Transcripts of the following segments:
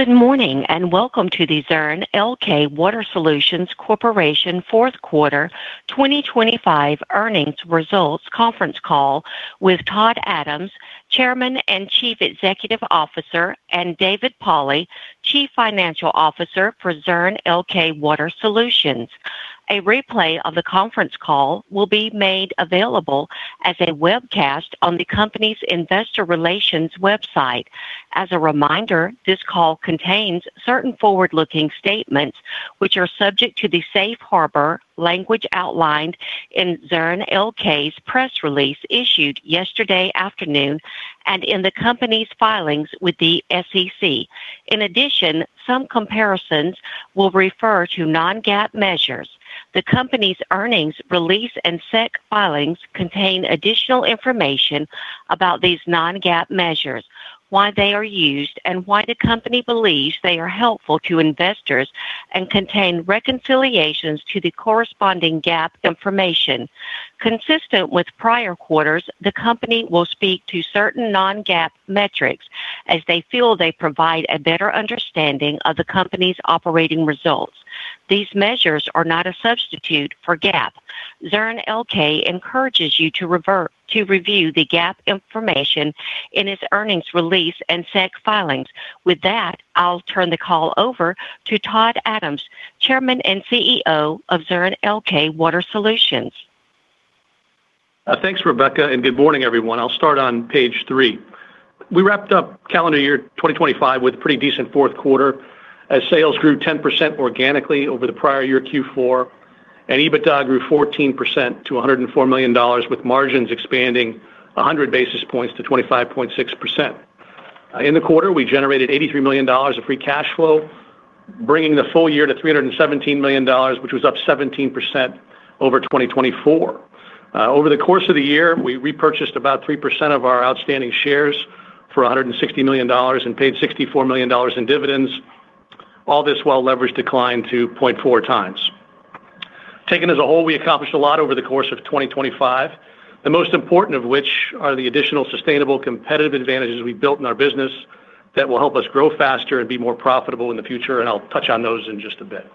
Good morning and welcome to the Zurn Elkay Water Solutions Corporation Fourth Quarter 2025 Earnings Results Conference Call with Todd Adams, Chairman and Chief Executive Officer, and David Pauli, Chief Financial Officer for Zurn Elkay Water Solutions. A replay of the conference call will be made available as a webcast on the company's investor relations website. As a reminder, this call contains certain forward-looking statements which are subject to the Safe Harbor language outlined in Zurn Elkay's press release issued yesterday afternoon and in the company's filings with the SEC. In addition, some comparisons will refer to non-GAAP measures. The company's earnings release and SEC filings contain additional information about these non-GAAP measures, why they are used, and why the company believes they are helpful to investors and contain reconciliations to the corresponding GAAP information. Consistent with prior quarters, the company will speak to certain non-GAAP metrics as they feel they provide a better understanding of the company's operating results. These measures are not a substitute for GAAP. Zurn Elkay encourages you to review the GAAP information in its earnings release and SEC filings. With that, I'll turn the call over to Todd Adams, Chairman and CEO of Zurn Elkay Water Solutions. Thanks, Rebecca, and good morning, everyone. I'll start on page three. We wrapped up calendar year 2025 with a pretty decent fourth quarter as sales grew 10% organically over the prior year Q4, and EBITDA grew 14% to $104 million, with margins expanding 100 basis points to 25.6%. In the quarter, we generated $83 million of free cash flow, bringing the full year to $317 million, which was up 17% over 2024. Over the course of the year, we repurchased about 3% of our outstanding shares for $160 million and paid $64 million in dividends, all this while leverage declined to 0.4x. Taken as a whole, we accomplished a lot over the course of 2025, the most important of which are the additional sustainable competitive advantages we built in our business that will help us grow faster and be more profitable in the future, and I'll touch on those in just a bit.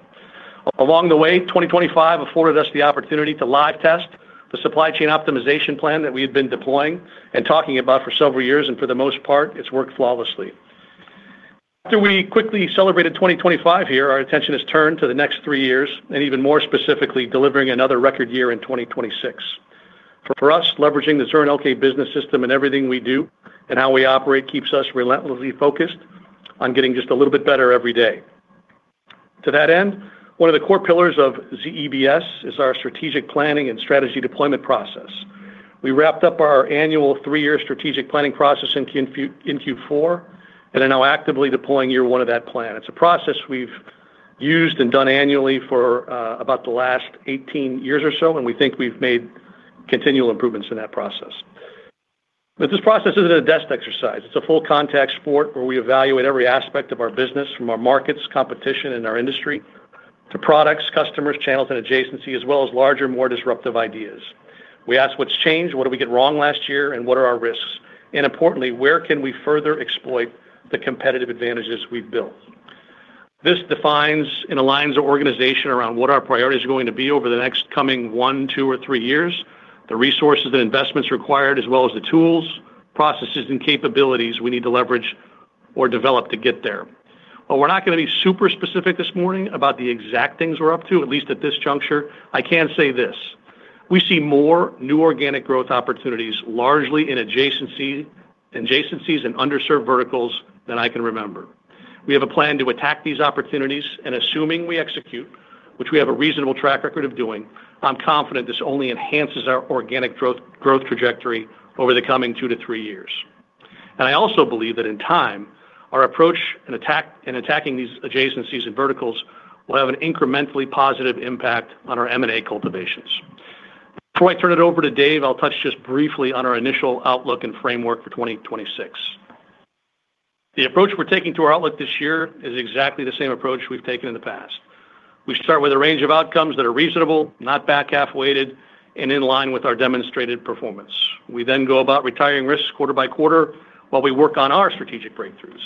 Along the way, 2025 afforded us the opportunity to live test the supply chain optimization plan that we had been deploying and talking about for several years, and for the most part, it's worked flawlessly. After we quickly celebrated 2025 here, our attention has turned to the next three years and, even more specifically, delivering another record year in 2026. For us, leveraging the Zurn Elkay Business System and everything we do and how we operate keeps us relentlessly focused on getting just a little bit better every day. To that end, one of the core pillars of ZEBS is our strategic planning and strategy deployment process. We wrapped up our annual three-year strategic planning process in Q4 and are now actively deploying year one of that plan. It's a process we've used and done annually for about the last 18 years or so, and we think we've made continual improvements in that process. But this process isn't a desk exercise. It's a full-context sport where we evaluate every aspect of our business, from our markets, competition, and our industry to products, customers, channels, and adjacency, as well as larger, more disruptive ideas. We ask what's changed, what did we get wrong last year, and what are our risks. Importantly, where can we further exploit the competitive advantages we've built? This defines and aligns our organization around what our priorities are going to be over the next coming one, two, or three years, the resources and investments required, as well as the tools, processes, and capabilities we need to leverage or develop to get there. While we're not going to be super specific this morning about the exact things we're up to, at least at this juncture, I can say this: we see more new organic growth opportunities largely in adjacencies and underserved verticals than I can remember. We have a plan to attack these opportunities, and assuming we execute, which we have a reasonable track record of doing, I'm confident this only enhances our organic growth trajectory over the coming two-three years. And I also believe that, in time, our approach in attacking these adjacencies and verticals will have an incrementally positive impact on our M&A cultivations. Before I turn it over to Dave, I'll touch just briefly on our initial outlook and framework for 2026. The approach we're taking to our outlook this year is exactly the same approach we've taken in the past. We start with a range of outcomes that are reasonable, not back half-weighted, and in line with our demonstrated performance. We then go about retiring risks quarter by quarter while we work on our strategic breakthroughs.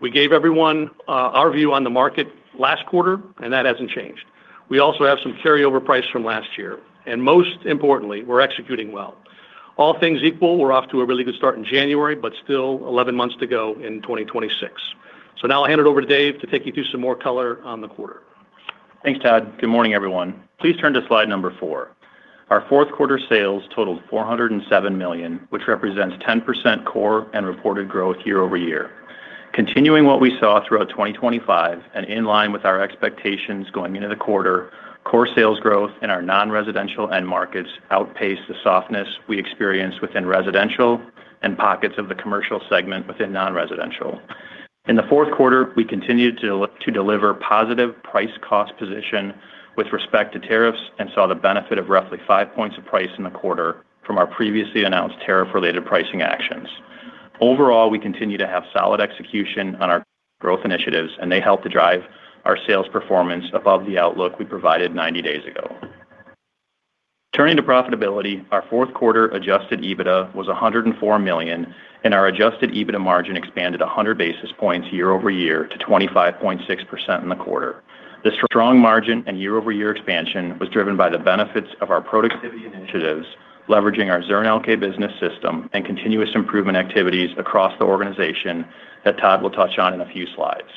We gave everyone our view on the market last quarter, and that hasn't changed. We also have some carryover price from last year. Most importantly, we're executing well. All things equal, we're off to a really good start in January, but still 11 months to go in 2026. Now I'll hand it over to Dave to take you through some more color on the quarter. Thanks, Todd. Good morning, everyone. Please turn to slide four. Our fourth quarter sales totaled $407 million, which represents 10% core and reported growth year-over-year. Continuing what we saw throughout 2025 and in line with our expectations going into the quarter, core sales growth in our non-residential end markets outpaced the softness we experienced within residential and pockets of the commercial segment within non-residential. In the fourth quarter, we continued to deliver positive price-cost position with respect to tariffs and saw the benefit of roughly five points of price in the quarter from our previously announced tariff-related pricing actions. Overall, we continue to have solid execution on our growth initiatives, and they help to drive our sales performance above the outlook we provided 90 days ago. Turning to profitability, our fourth quarter adjusted EBITDA was $104 million, and our adjusted EBITDA margin expanded 100 basis points year-over-year to 25.6% in the quarter. This strong margin and year-over-year expansion was driven by the benefits of our productivity initiatives, leveraging our Zurn Elkay Business System, and continuous improvement activities across the organization that Todd will touch on in a few slides.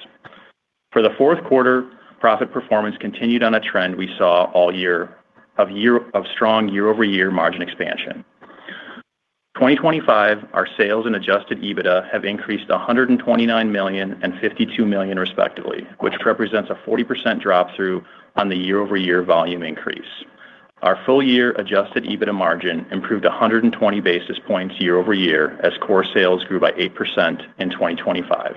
For the fourth quarter, profit performance continued on a trend we saw all year of strong year-over-year margin expansion. 2025, our sales and adjusted EBITDA have increased to $129 million and $52 million, respectively, which represents a 40% drop-through on the year-over-year volume increase. Our full-year adjusted EBITDA margin improved 120 basis points year-over-year as core sales grew by 8% in 2025.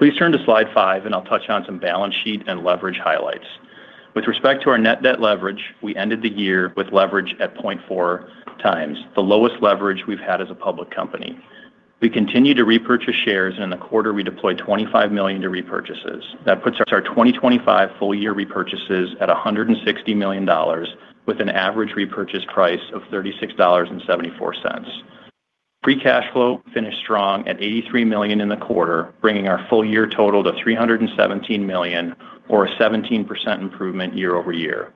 Please turn to slide five, and I'll touch on some balance sheet and leverage highlights. With respect to our net debt leverage, we ended the year with leverage at 0.4x, the lowest leverage we've had as a public company. We continue to repurchase shares, and in the quarter, we deployed $25 million to repurchases. That puts our 2025 full-year repurchases at $160 million, with an average repurchase price of $36.74. Free cash flow finished strong at $83 million in the quarter, bringing our full-year total to $317 million, or a 17% improvement year-over-year.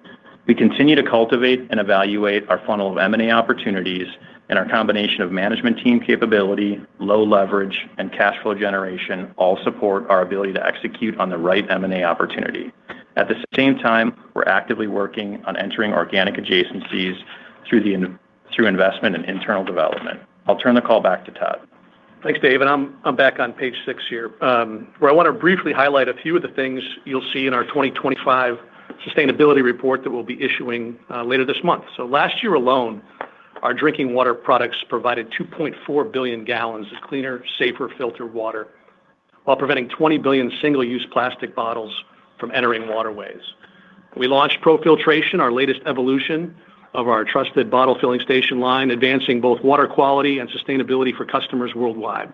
We continue to cultivate and evaluate our funnel of M&A opportunities, and our combination of management team capability, low leverage, and cash flow generation all support our ability to execute on the right M&A opportunity. At the same time, we're actively working on entering organic adjacencies through investment and internal development. I'll turn the call back to Todd. Thanks, Dave. I'm back on page six here, where I want to briefly highlight a few of the things you'll see in our 2025 sustainability report that we'll be issuing later this month. Last year alone, our drinking water products provided 2.4 billion gallons of cleaner, safer filtered water while preventing 20 billion single-use plastic bottles from entering waterways. We launched ProFiltration, our latest evolution of our trusted bottle filling station line, advancing both water quality and sustainability for customers worldwide.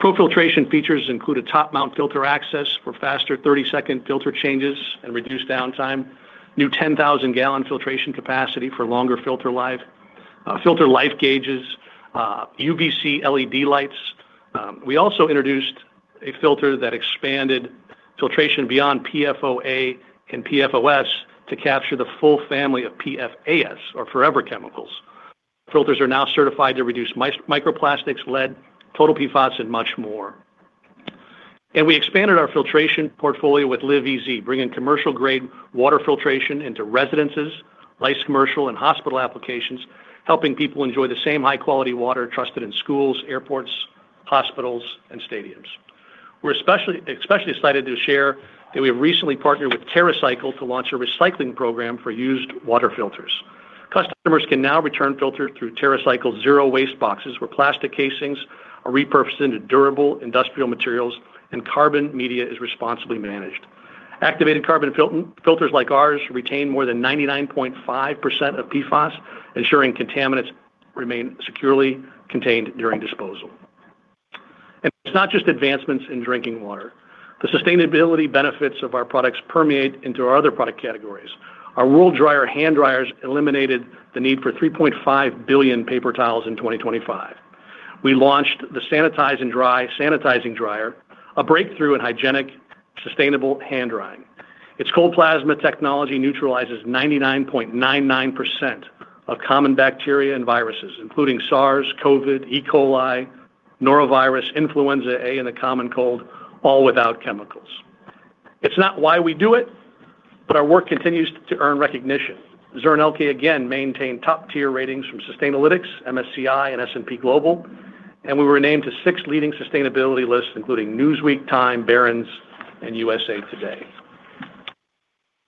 ProFiltration features include a top-mount filter access for faster 30-second filter changes and reduced downtime, new 10,000-gallon filtration capacity for longer filter life, filter life gauges, UVC LED lights. We also introduced a filter that expanded filtration beyond PFOA and PFOS to capture the full family of PFAS, or forever chemicals. Filters are now certified to reduce microplastics, lead, total PFAS, and much more. We expanded our filtration portfolio with Liv EZ, bringing commercial-grade water filtration into residences, like commercial, and hospital applications, helping people enjoy the same high-quality water trusted in schools, airports, hospitals, and stadiums. We're especially excited to share that we have recently partnered with TerraCycle to launch a recycling program for used water filters. Customers can now return filters through TerraCycle's zero-waste boxes, where plastic casings are repurposed into durable industrial materials and carbon media is responsibly managed. Activated carbon filters like ours retain more than 99.5% of PFAS, ensuring contaminants remain securely contained during disposal. It's not just advancements in drinking water. The sustainability benefits of our products permeate into our other product categories. Our World Dryer hand dryers eliminated the need for 3.5 billion paper towels in 2025. We launched the Sanitize & Dry sanitizing dryer, a breakthrough in hygienic, sustainable hand drying. Its cold plasma technology neutralizes 99.99% of common bacteria and viruses, including SARS, COVID, E. coli, norovirus, influenza A, and the common cold, all without chemicals. It's not why we do it, but our work continues to earn recognition. Zurn Elkay, again, maintained top-tier ratings from Sustainalytics, MSCI, and S&P Global, and we were named to six leading sustainability lists, including Newsweek, Time, Barron's, and USA Today.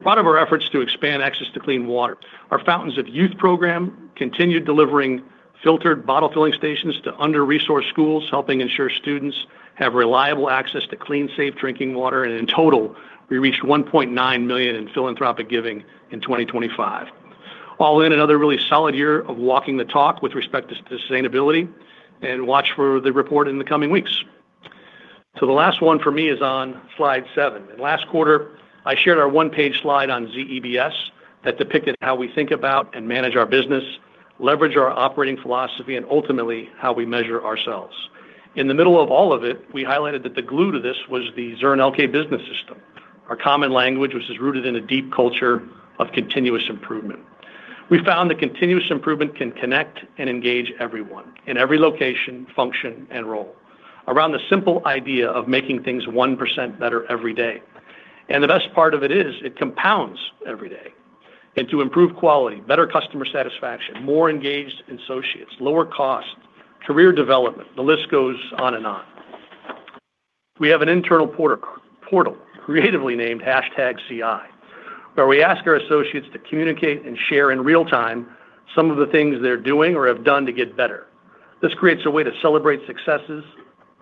Part of our efforts to expand access to clean water, our Fountains of Youth program continued delivering filtered bottle filling stations to under-resourced schools, helping ensure students have reliable access to clean, safe drinking water, and in total, we reached $1.9 million in philanthropic giving in 2025. All in, another really solid year of walking the talk with respect to sustainability, and watch for the report in the coming weeks. So the last one for me is on slide seven. In last quarter, I shared our one-page slide on ZEBS that depicted how we think about and manage our business, leverage our operating philosophy, and ultimately how we measure ourselves. In the middle of all of it, we highlighted that the glue to this was the Zurn Elkay Business System, our common language, which is rooted in a deep culture of continuous improvement. We found that continuous improvement can connect and engage everyone in every location, function, and role, around the simple idea of making things 1% better every day. And the best part of it is it compounds every day into improved quality, better customer satisfaction, more engaged associates, lower cost, career development. The list goes on and on. We have an internal portal creatively named #CI, where we ask our associates to communicate and share in real time some of the things they're doing or have done to get better. This creates a way to celebrate successes,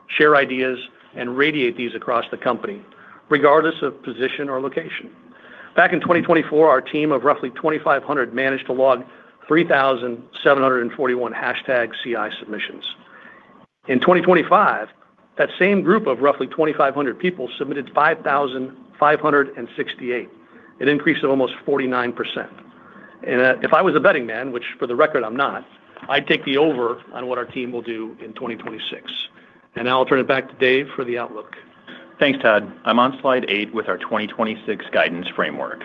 share ideas, and radiate these across the company, regardless of position or location. Back in 2024, our team of roughly 2,500 managed to log 3,741 #CI submissions. In 2025, that same group of roughly 2,500 people submitted 5,568. An increase of almost 49%. Now I'll turn it back to Dave for the outlook. Thanks, Todd. I'm on slide eight with our 2026 guidance framework.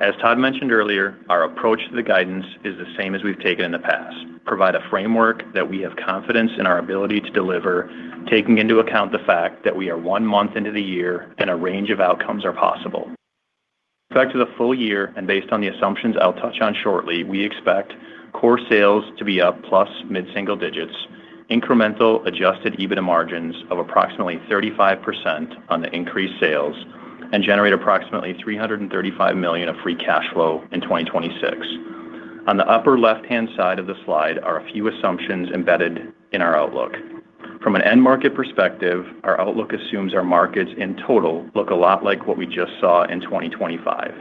As Todd mentioned earlier, our approach to the guidance is the same as we've taken in the past: provide a framework that we have confidence in our ability to deliver, taking into account the fact that we are one month into the year and a range of outcomes are possible. Back to the full year, based on the assumptions I'll touch on shortly, we expect core sales to be up plus mid-single digits, incremental adjusted EBITDA margins of approximately 35% on the increased sales, and generate approximately $335 million of free cash flow in 2026. On the upper left-hand side of the slide are a few assumptions embedded in our outlook. From an end-market perspective, our outlook assumes our markets in total look a lot like what we just saw in 2025.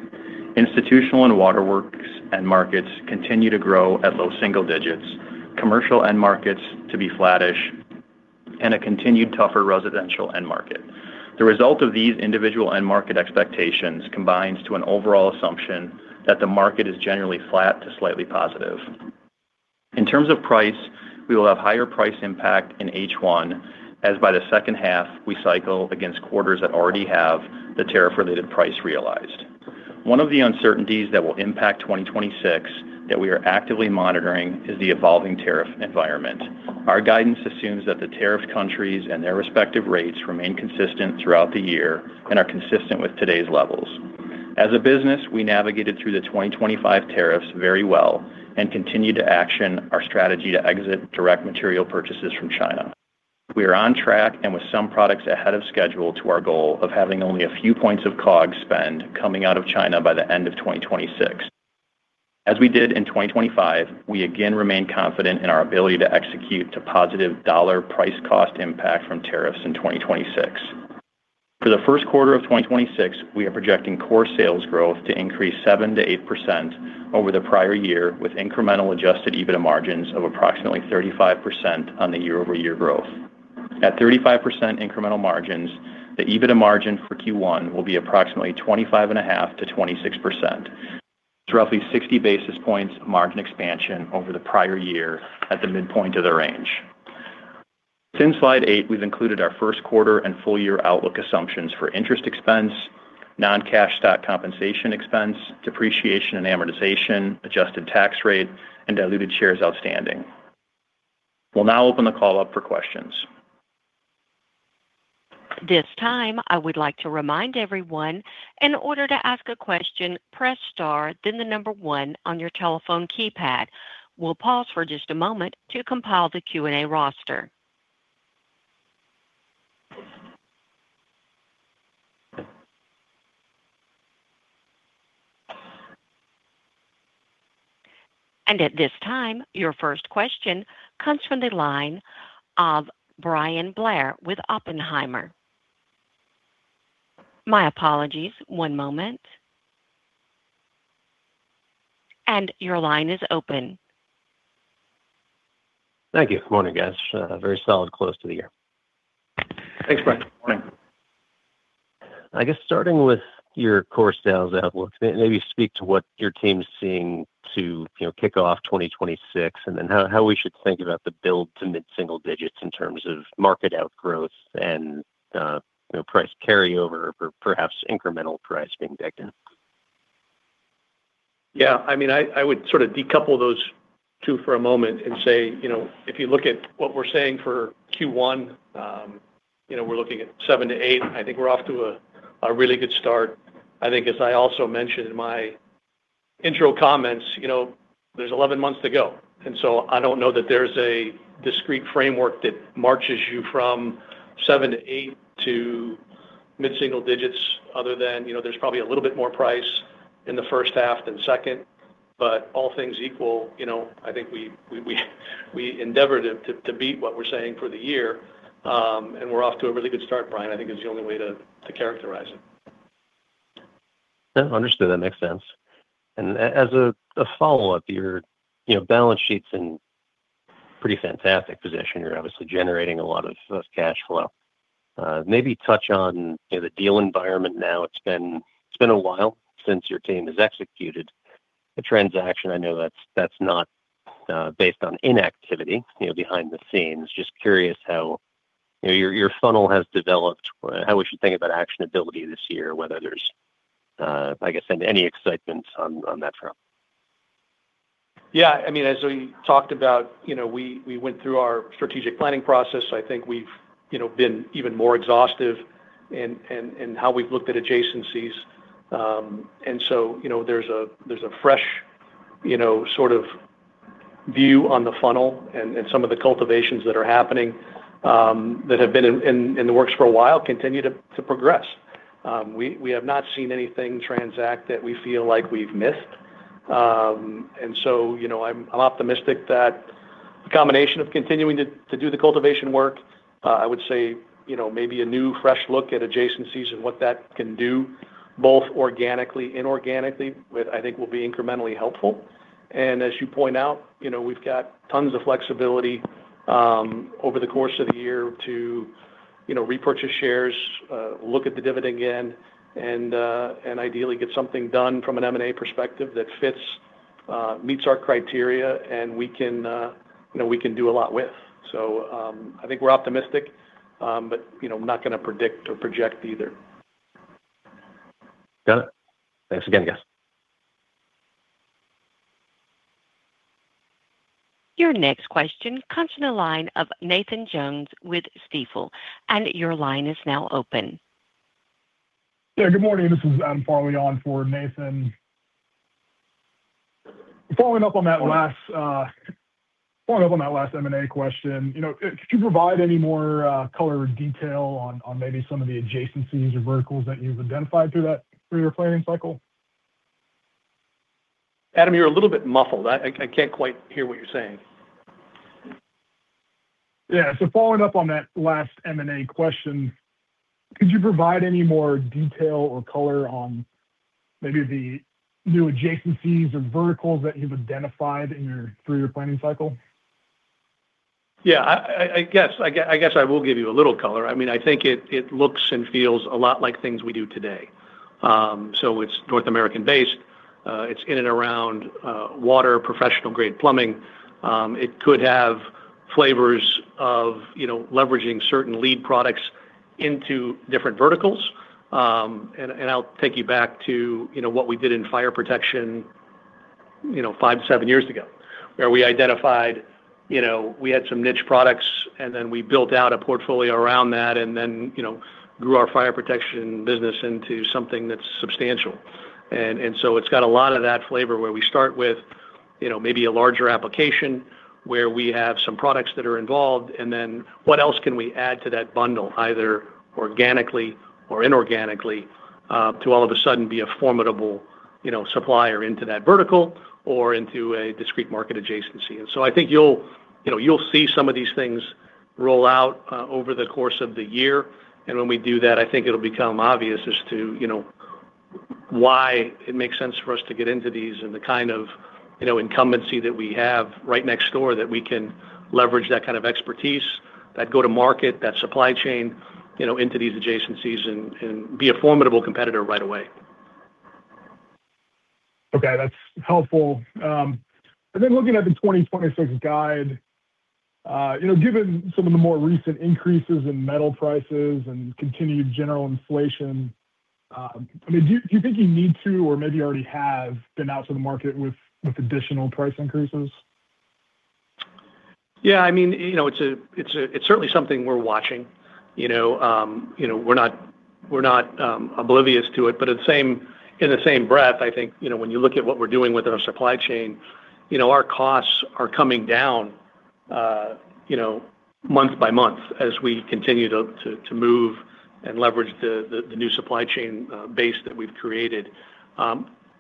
Institutional and waterworks end markets continue to grow at low single digits, commercial end markets to be flattish, and a continued tougher residential end market. The result of these individual end market expectations combines to an overall assumption that the market is generally flat to slightly positive. In terms of price, we will have higher price impact in H1 as by the second half, we cycle against quarters that already have the tariff-related price realized. One of the uncertainties that will impact 2026 that we are actively monitoring is the evolving tariff environment. Our guidance assumes that the tariffed countries and their respective rates remain consistent throughout the year and are consistent with today's levels. As a business, we navigated through the 2025 tariffs very well and continued to action our strategy to exit direct material purchases from China. We are on track and with some products ahead of schedule to our goal of having only a few points of COGS spend coming out of China by the end of 2026. As we did in 2025, we again remain confident in our ability to execute the positive dollar price-cost impact from tariffs in 2026. For the first quarter of 2026, we are projecting core sales growth to increase 7%-8% over the prior year, with incremental adjusted EBITDA margins of approximately 35% on the year-over-year growth. At 35% incremental margins, the EBITDA margin for Q1 will be approximately 25.5%-26%, with roughly 60 basis points of margin expansion over the prior year at the midpoint of the range. Since slide eight, we've included our first quarter and full-year outlook assumptions for interest expense, non-cash stock compensation expense, depreciation and amortization, adjusted tax rate, and diluted shares outstanding. We'll now open the call up for questions. This time, I would like to remind everyone, in order to ask a question, press star, then the number one on your telephone keypad. We'll pause for just a moment to compile the Q&A roster. At this time, your first question comes from the line of Bryan Blair with Oppenheimer. My apologies. One moment. Your line is open. Thank you. Good morning, guys. Very solid, close to the year. Thanks, Brian. Good morning. I guess starting with your core sales outlook, maybe speak to what your team's seeing to kick off 2026 and then how we should think about the build to mid-single digits in terms of market outgrowth and price carryover, perhaps incremental price being dug in. Yeah. I mean, I would sort of decouple those two for a moment and say, if you look at what we're saying for Q1, we're looking at seven-eight. I think we're off to a really good start. I think, as I also mentioned in my intro comments, there's 11 months to go. And so I don't know that there's a discrete framework that marches you from seven-eight to mid-single digits other than there's probably a little bit more price in the first half than second. But all things equal, I think we endeavored to beat what we're saying for the year, and we're off to a really good start, Brian, I think is the only way to characterize it. Understood. That makes sense. As a follow-up, your balance sheet's in pretty fantastic position. You're obviously generating a lot of cash flow. Maybe touch on the deal environment now. It's been a while since your team has executed a transaction. I know that's not based on inactivity behind the scenes. Just curious how your funnel has developed, how we should think about actionability this year, whether there's, I guess, any excitement on that front. Yeah. I mean, as we talked about, we went through our strategic planning process. I think we've been even more exhaustive in how we've looked at adjacencies. And so there's a fresh sort of view on the funnel, and some of the cultivations that are happening that have been in the works for a while continue to progress. We have not seen anything transact that we feel like we've missed. And so I'm optimistic that the combination of continuing to do the cultivation work, I would say maybe a new fresh look at adjacencies and what that can do, both organically and inorganically, I think will be incrementally helpful. As you point out, we've got tons of flexibility over the course of the year to repurchase shares, look at the dividend again, and ideally get something done from an M&A perspective that meets our criteria and we can do a lot with. I think we're optimistic, but I'm not going to predict or project either. Got it. Thanks again, guys. Your next question comes from the line of Nathan Jones with Stifel, and your line is now open. Yeah. Good morning. This is Adam Farley on for Nathan. Following up on that last M&A question, could you provide any more color detail on maybe some of the adjacencies or verticals that you've identified through your planning cycle? Adam, you're a little bit muffled. I can't quite hear what you're saying. Yeah. Following up on that last M&A question, could you provide any more detail or color on maybe the new adjacencies or verticals that you've identified through your planning cycle? Yeah. I guess I will give you a little color. I mean, I think it looks and feels a lot like things we do today. So it's North American-based. It's in and around water, professional-grade plumbing. It could have flavors of leveraging certain lead products into different verticals. And I'll take you back to what we did in fire protection five, 7 years ago, where we identified we had some niche products, and then we built out a portfolio around that and then grew our fire protection business into something that's substantial. And so it's got a lot of that flavor where we start with maybe a larger application where we have some products that are involved, and then what else can we add to that bundle, either organically or inorganically, to all of a sudden be a formidable supplier into that vertical or into a discrete market adjacency? So I think you'll see some of these things roll out over the course of the year. And when we do that, I think it'll become obvious as to why it makes sense for us to get into these and the kind of incumbency that we have right next door that we can leverage that kind of expertise, that go-to-market, that supply chain into these adjacencies and be a formidable competitor right away. Okay. That's helpful. And then looking at the 2026 guide, given some of the more recent increases in metal prices and continued general inflation, I mean, do you think you need to or maybe already have been out to the market with additional price increases? Yeah. I mean, it's certainly something we're watching. We're not oblivious to it. But in the same breath, I think when you look at what we're doing with our supply chain, our costs are coming down month by month as we continue to move and leverage the new supply chain base that we've created.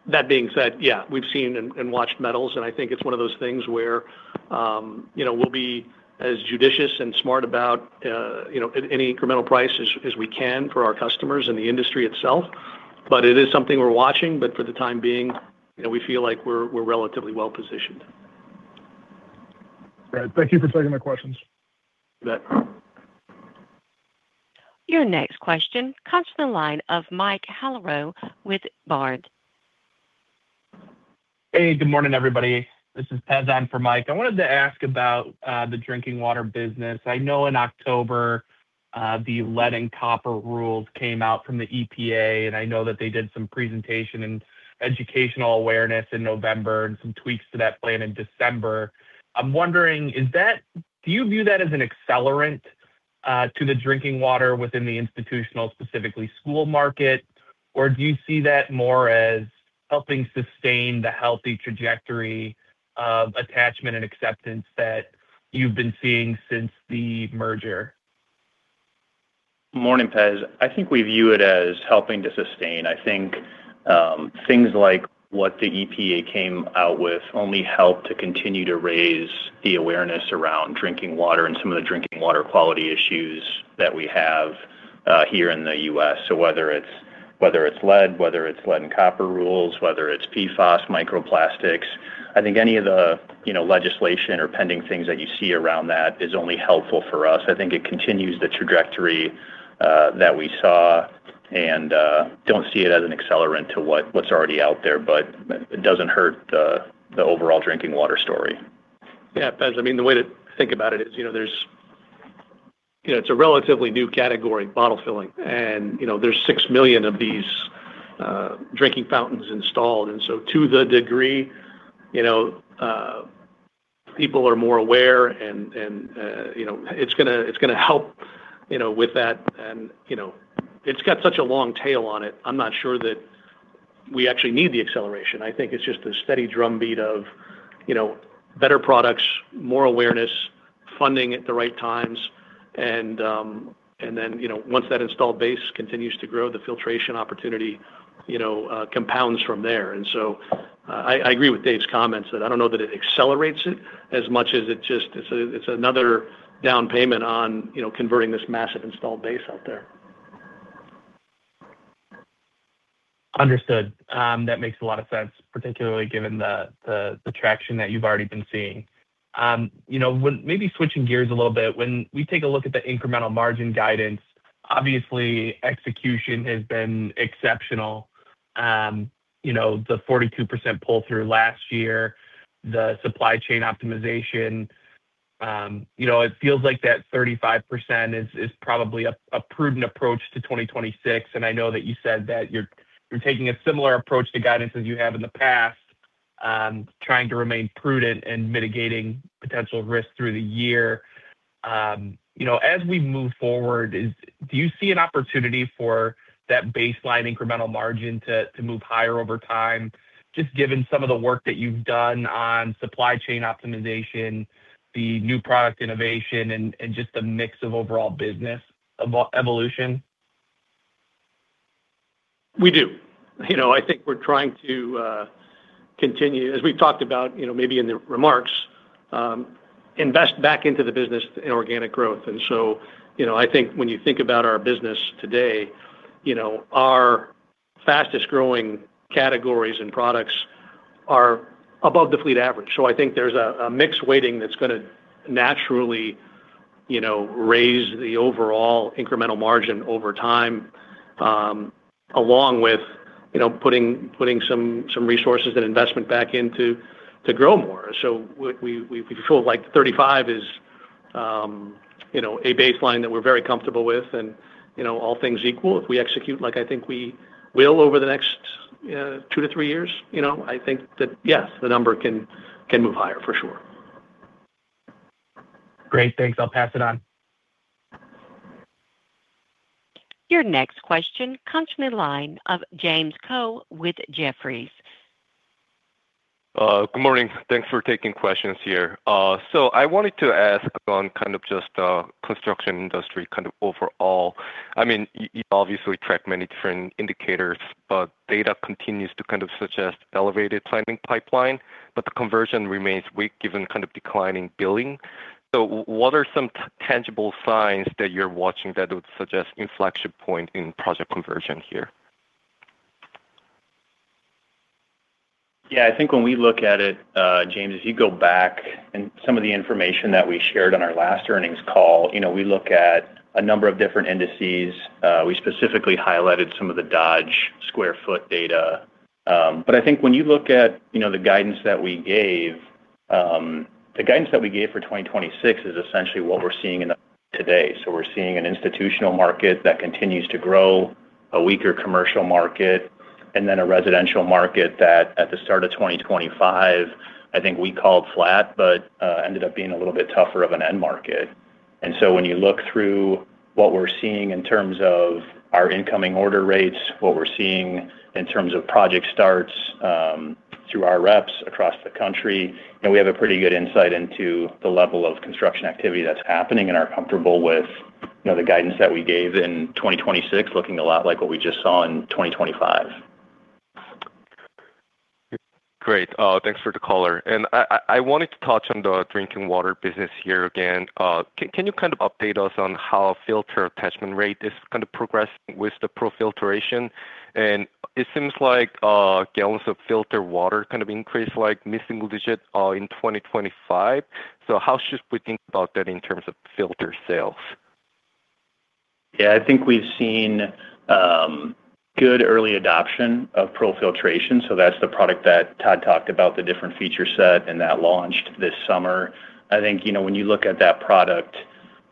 That being said, yeah, we've seen and watched metals, and I think it's one of those things where we'll be as judicious and smart about any incremental price as we can for our customers and the industry itself. But it is something we're watching. But for the time being, we feel like we're relatively well-positioned. All right. Thank you for taking the questions. You bet. Your next question comes from the line of Mike Halloran with Baird. Hey. Good morning, everybody. This is Pezan for Mike. I wanted to ask about the drinking water business. I know in October, the Lead and Copper Rule came out from the EPA, and I know that they did some presentation and educational awareness in November and some tweaks to that plan in December. I'm wondering, do you view that as an accelerant to the drinking water within the institutional, specifically school market, or do you see that more as helping sustain the healthy trajectory of attachment and acceptance that you've been seeing since the merger? Good morning, Pez. I think we view it as helping to sustain. I think things like what the EPA came out with only help to continue to raise the awareness around drinking water and some of the drinking water quality issues that we have here in the U.S. So whether it's lead, whether it's Lead and Copper Rules, whether it's PFAS, microplastics, I think any of the legislation or pending things that you see around that is only helpful for us. I think it continues the trajectory that we saw and don't see it as an accelerant to what's already out there, but it doesn't hurt the overall drinking water story. Yeah, Pez. I mean, the way to think about it is there's, it's a relatively new category, bottle filling, and there's 6 million of these drinking fountains installed. And so to the degree, people are more aware, and it's going to help with that. And it's got such a long tail on it. I'm not sure that we actually need the acceleration. I think it's just the steady drumbeat of better products, more awareness, funding at the right times. And then once that installed base continues to grow, the filtration opportunity compounds from there. And so I agree with Dave's comments that I don't know that it accelerates it as much as it's just another down payment on converting this massive installed base out there. Understood. That makes a lot of sense, particularly given the traction that you've already been seeing. Maybe switching gears a little bit, when we take a look at the incremental margin guidance, obviously, execution has been exceptional. The 42% pull-through last year, the supply chain optimization, it feels like that 35% is probably a prudent approach to 2026. And I know that you said that you're taking a similar approach to guidance as you have in the past, trying to remain prudent and mitigating potential risk through the year. As we move forward, do you see an opportunity for that baseline incremental margin to move higher over time, just given some of the work that you've done on supply chain optimization, the new product innovation, and just the mix of overall business evolution? We do. I think we're trying to continue, as we've talked about maybe in the remarks, invest back into the business in organic growth. And so I think when you think about our business today, our fastest-growing categories and products are above the fleet average. So I think there's a mixed weighting that's going to naturally raise the overall incremental margin over time, along with putting some resources and investment back into grow more. So we feel like 35 is a baseline that we're very comfortable with. And all things equal, if we execute like I think we will over the next two-3 years, I think that, yes, the number can move higher, for sure. Great. Thanks. I'll pass it on. Your next question comes from the line of James Coe with Jefferies. Good morning. Thanks for taking questions here. So I wanted to ask on kind of just construction industry kind of overall. I mean, you obviously track many different indicators, but data continues to kind of suggest elevated planning pipeline, but the conversion remains weak given kind of declining billing. So what are some tangible signs that you're watching that would suggest inflection point in project conversion here? Yeah. I think when we look at it, James, if you go back and some of the information that we shared on our last earnings call, we look at a number of different indices. We specifically highlighted some of the Dodge square foot data. But I think when you look at the guidance that we gave, the guidance that we gave for 2026 is essentially what we're seeing in the market today. So we're seeing an institutional market that continues to grow, a weaker commercial market, and then a residential market that at the start of 2025, I think we called flat, but ended up being a little bit tougher of an end market. When you look through what we're seeing in terms of our incoming order rates, what we're seeing in terms of project starts through our reps across the country, we have a pretty good insight into the level of construction activity that's happening, and are comfortable with the guidance that we gave in 2026 looking a lot like what we just saw in 2025. Great. Thanks for the caller. And I wanted to touch on the drinking water business here again. Can you kind of update us on how filter attachment rate is kind of progressing with the ProFiltration? And it seems like gallons of filtered water kind of increased like 50 million in 2025. So how should we think about that in terms of filter sales? Yeah. I think we've seen good early adoption of ProFiltration. So that's the product that Todd talked about, the different feature set and that launched this summer. I think when you look at that product,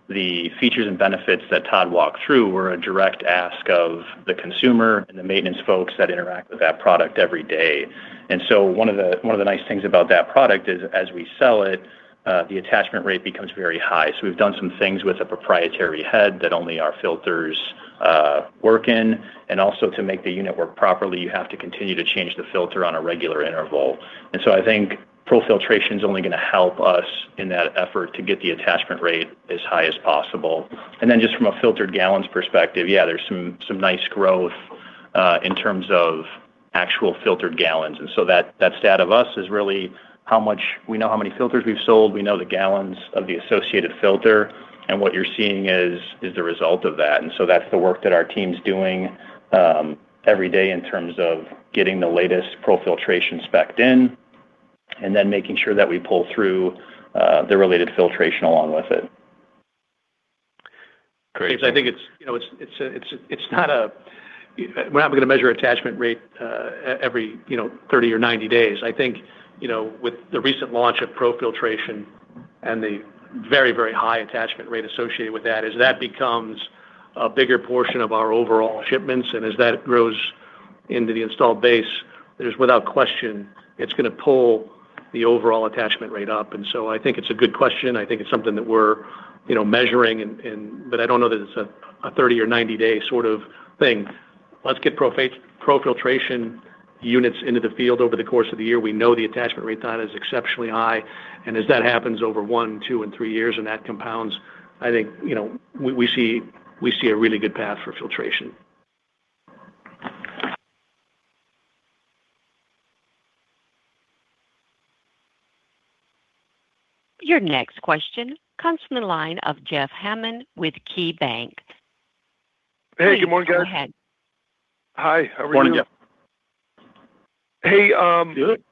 the features and benefits that Todd walked through were a direct ask of the consumer and the maintenance folks that interact with that product every day. And so one of the nice things about that product is as we sell it, the attachment rate becomes very high. So we've done some things with a proprietary head that only our filters work in. And also to make the unit work properly, you have to continue to change the filter on a regular interval. And so I think ProFiltration is only going to help us in that effort to get the attachment rate as high as possible. And then just from a filtered gallons perspective, yeah, there's some nice growth in terms of actual filtered gallons. And so that stat of us is really how much we know how many filters we've sold. We know the gallons of the associated filter, and what you're seeing is the result of that. And so that's the work that our team's doing every day in terms of getting the latest ProFiltration spec'd in and then making sure that we pull through the related filtration along with it. Great. James, I think it's not a we're not going to measure attachment rate every 30 or 90 days. I think with the recent launch of ProFiltration and the very, very high attachment rate associated with that, as that becomes a bigger portion of our overall shipments and as that grows into the installed base, there's without question it's going to pull the overall attachment rate up. And so I think it's a good question. I think it's something that we're measuring, but I don't know that it's a 30 or 90-day sort of thing. Let's get ProFiltration units into the field over the course of the year. We know the attachment rate that is exceptionally high. And as that happens over one, two, and three years, and that compounds, I think we see a really good path for filtration. Your next question comes from the line of Jeff Hammond with KeyBanc Capital Markets. Hey. Good morning, guys. Yeah. Go ahead. Hi. How are you doing? Good morning, Jeff. Hey.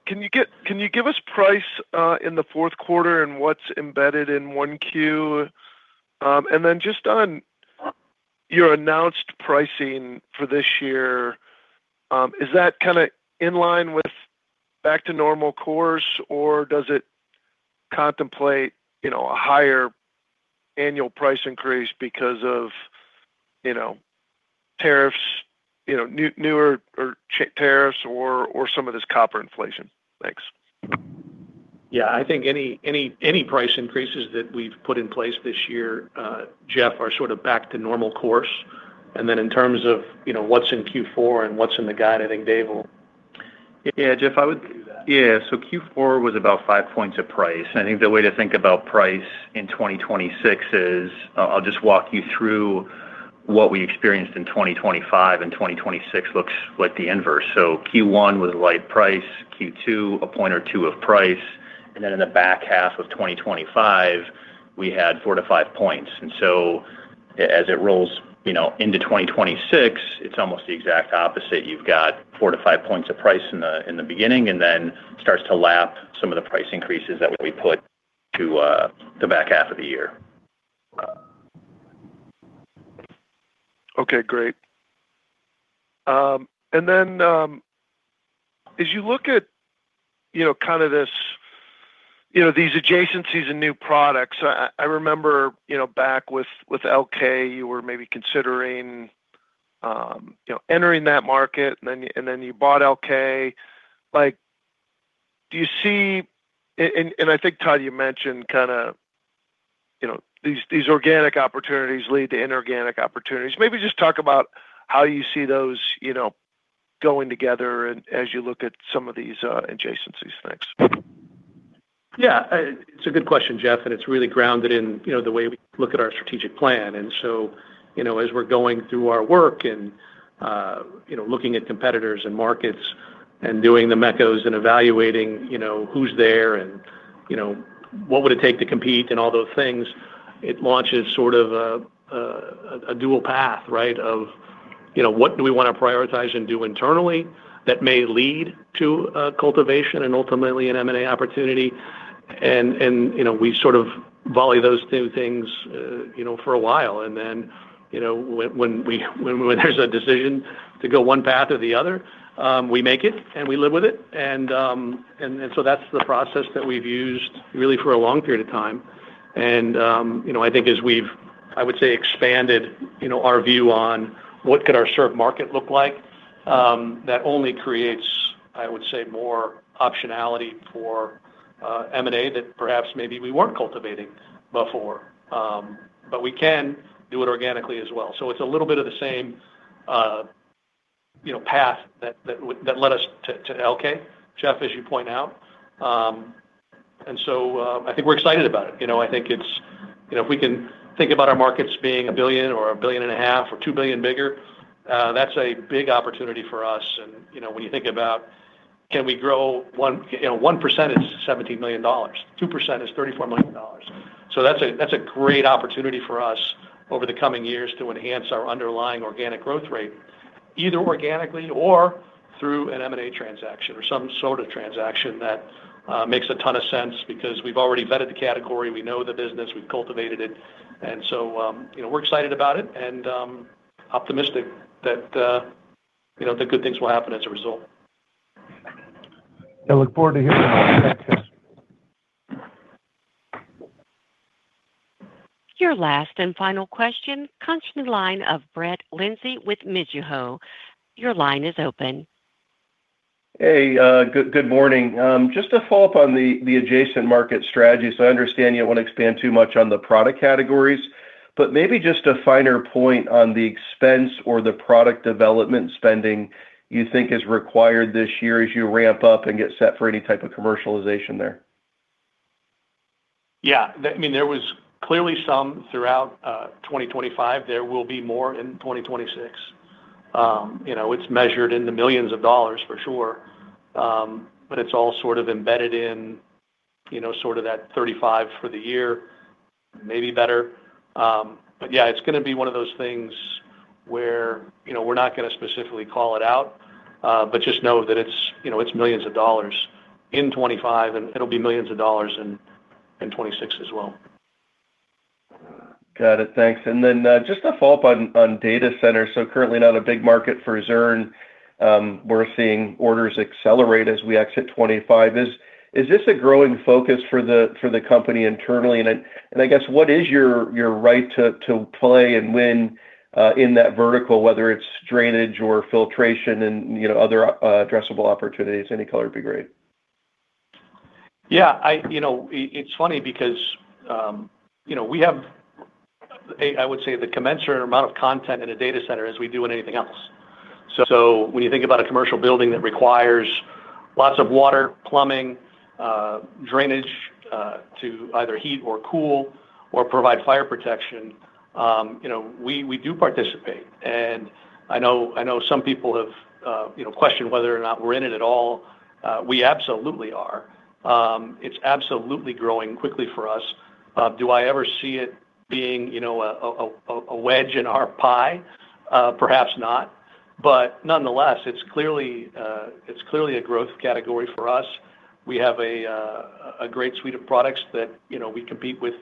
Can you give us pricing in the fourth quarter and what's embedded in 1Q? And then just on your announced pricing for this year, is that kind of in line with back-to-normal course, or does it contemplate a higher annual price increase because of tariffs, newer tariffs, or some of this copper inflation? Thanks. Yeah. I think any price increases that we've put in place this year, Jeff, are sort of back-to-normal course. And then in terms of what's in Q4 and what's in the guide, I think Dave will. Yeah, Jeff, I would. Yeah. So Q4 was about five points of price. I think the way to think about price in 2026 is I'll just walk you through what we experienced in 2025. And 2026 looks like the inverse. So Q1 was light price, Q2 a point or two of price, and then in the back half of 2025, we had four-five points. And so as it rolls into 2026, it's almost the exact opposite. You've got four-five points of price in the beginning and then starts to lap some of the price increases that we put to the back half of the year. Okay. Great. And then as you look at kind of these adjacencies and new products, I remember back with LK, you were maybe considering entering that market, and then you bought LK. Do you see, and I think, Todd, you mentioned kind of these organic opportunities lead to inorganic opportunities. Maybe just talk about how you see those going together as you look at some of these adjacencies. Thanks. Yeah. It's a good question, Jeff, and it's really grounded in the way we look at our strategic plan. And so as we're going through our work and looking at competitors and markets and doing the mechos and evaluating who's there and what would it take to compete and all those things, it launches sort of a dual path, right, of what do we want to prioritize and do internally that may lead to cultivation and ultimately an M&A opportunity. And we sort of volley those two things for a while. And then when there's a decision to go one path or the other, we make it and we live with it. And so that's the process that we've used really for a long period of time. I think as we've, I would say, expanded our view on what could our serve market look like, that only creates, I would say, more optionality for M&A that perhaps maybe we weren't cultivating before. But we can do it organically as well. So it's a little bit of the same path that led us to LK, Jeff, as you point out. And so I think we're excited about it. I think it's if we can think about our markets being $1 billion or $1.5 billion or $2 billion bigger, that's a big opportunity for us. And when you think about can we grow 1% is $17 million. 2% is $34 million. That's a great opportunity for us over the coming years to enhance our underlying organic growth rate, either organically or through an M&A transaction or some sort of transaction that makes a ton of sense because we've already vetted the category. We know the business. We've cultivated it. And so we're excited about it and optimistic that good things will happen as a result. I look forward to hearing from you. Thanks, Jeff. Your last and final question comes from the line of Brett Linzey with Mizuho. Your line is open. Hey. Good morning. Just to follow up on the adjacent market strategy. I understand you don't want to expand too much on the product categories, but maybe just a finer point on the expense or the product development spending you think is required this year as you ramp up and get set for any type of commercialization there. Yeah. I mean, there was clearly some throughout 2025. There will be more in 2026. It's measured in the $ millions, for sure, but it's all sort of embedded in sort of that 35 for the year, maybe better. But yeah, it's going to be one of those things where we're not going to specifically call it out, but just know that it's $ millions in 2025, and it'll be $ millions in 2026 as well. Got it. Thanks. And then just to follow up on data centers. So currently, not a big market for Zurn. We're seeing orders accelerate as we exit 2025. Is this a growing focus for the company internally? And I guess, what is your right to play and win in that vertical, whether it's drainage or filtration and other addressable opportunities? Any color would be great. Yeah. It's funny because we have, I would say, the commensurate amount of content in a data center as we do in anything else. So when you think about a commercial building that requires lots of water, plumbing, drainage to either heat or cool or provide fire protection, we do participate. I know some people have questioned whether or not we're in it at all. We absolutely are. It's absolutely growing quickly for us. Do I ever see it being a wedge in our pie? Perhaps not. Nonetheless, it's clearly a growth category for us. We have a great suite of products that we compete with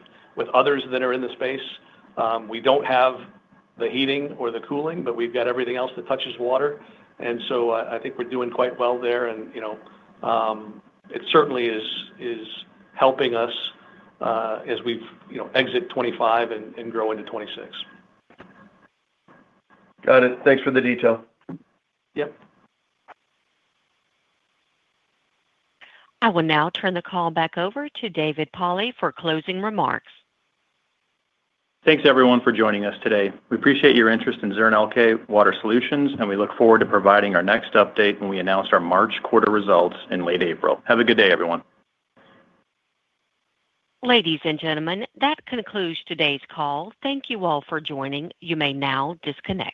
others that are in the space. We don't have the heating or the cooling, but we've got everything else that touches water. So I think we're doing quite well there. It certainly is helping us as we exit 2025 and grow into 2026. Got it. Thanks for the detail. Yep. I will now turn the call back over to David Pauli for closing remarks. Thanks, everyone, for joining us today. We appreciate your interest in Zurn Elkay Water Solutions, and we look forward to providing our next update when we announce our March quarter results in late April. Have a good day, everyone. Ladies and gentlemen, that concludes today's call. Thank you all for joining. You may now disconnect.